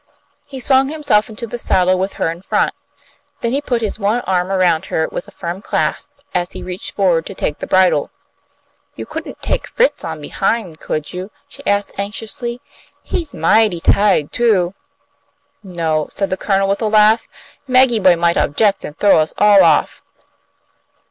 He swung himself into the saddle, with her in front. Then he put his one arm around her with a firm clasp, as he reached forward to take the bridle. "You couldn't take Fritz on behin', could you?" she asked, anxiously. "He's mighty ti'ed too." "No," said the Colonel, with a laugh. "Maggie Boy might object and throw us all off."